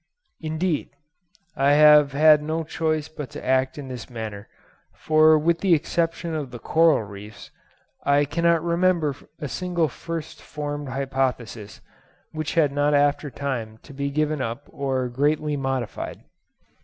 Indeed, I have had no choice but to act in this manner, for with the exception of the Coral Reefs, I cannot remember a single first formed hypothesis which had not after a time to be given up or greatly modified.